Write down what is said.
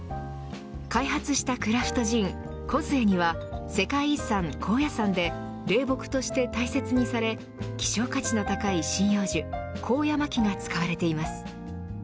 開発したクラフトジンＫＯＺＵＥには世界遺産高野山で霊木として大切にされ希少価値の高い針葉樹コウヤマキが使われています。